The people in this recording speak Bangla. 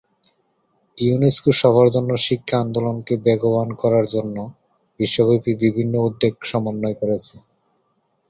ইউনেস্কো সবার জন্য শিক্ষা আন্দোলনকে বেগবান করার জন্যে বিশ্বব্যাপী বিভিন্ন উদ্যোগকে সমন্বয় করছে।